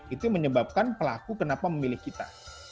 itu menyebabkan pelaku kenapa memilih kita